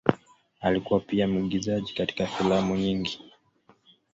Alikuwa pia mwigizaji katika filamu nyingi.